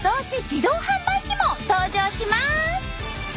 自動販売機も登場します！